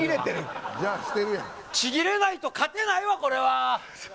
ちぎれないと勝てないわ。